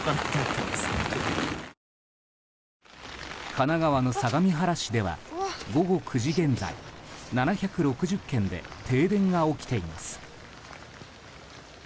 神奈川の相模原市では午後９時現在７６０軒で停電が起きています。